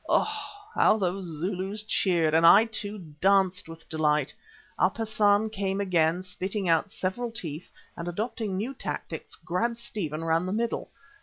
Oh! how those Zulus cheered, and I, too, danced with delight. Up Hassan came again, spitting out several teeth and, adopting new tactics, grabbed Stephen round the middle.